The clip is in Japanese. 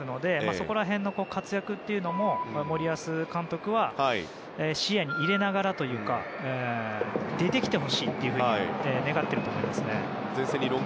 そこら辺の活躍というのも森保監督は視野に入れながらというか出てきてほしいと願っていると思います。